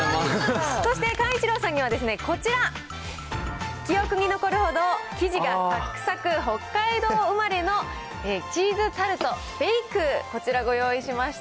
そして寛一郎さんにはこちら、記憶に残るほど生地がさっくさく、北海道生まれのチーズタルトベイク、こちらご用意しました。